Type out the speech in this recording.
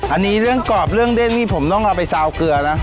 อันนี้เรื่องกรอบเรื่องเด้นนี่ผมต้องเอาไปซาวเกลือนะ